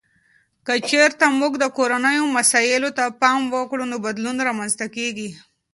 که چیرته موږ د کورنیو مسایلو ته پام وکړو، نو بدلون رامنځته کیږي.